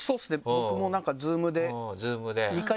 僕もなんかＺｏｏｍで。